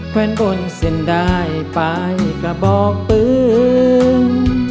แขวนบนเสียนดายปลายกระบอกปืน